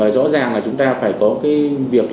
rõ ràng là chúng ta phải có việc